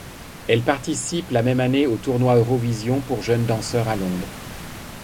Elle participe la même année au Tournoi Eurovision pour jeunes danseurs à Londres.